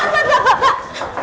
bapak bapak bapak